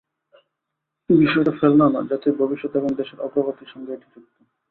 বিষয়টা ফেলনা নয়, জাতির ভবিষ্যৎ এবং দেশের অগ্রগতির সঙ্গেই এটি যুক্ত।